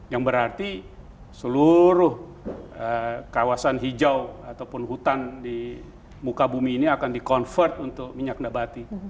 yang berarti seluruh kawasan hijau ataupun hutan di muka bumi ini akan di convert untuk minyak nabati